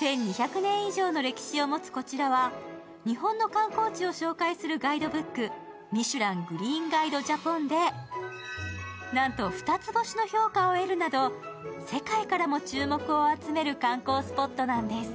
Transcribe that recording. １２００年以上の歴史を持つこちらは日本の観光地を紹介するガイドブック「ミシュラン・グリーンガイド・ジャポン」で、なんと２つ星の評価を得るなど世界からも注目を集める観光スポットなんです。